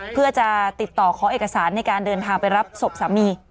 เพื่อจะติดต่อขอเอกสารในการเดินทางไปรับศพสามี